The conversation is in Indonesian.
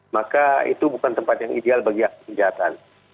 maka itu bukan tempat yang ideal bagi hak kejahatan